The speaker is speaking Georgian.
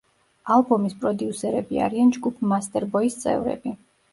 ალბომის პროდიუსერები არიან ჯგუფ მასტერბოის წევრები.